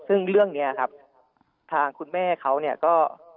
ซึ่งเรื่องนี้ครับทางคุณแม่เขาเนี่ยก็